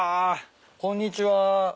こんにちは。